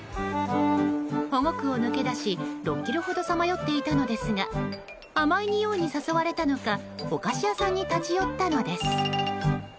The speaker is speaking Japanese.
保護区を抜け出し、６ｋｍほどさまよっていたのですが甘い匂いに誘われたのかお菓子屋さんに立ち寄ったのです。